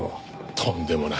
とんでもない。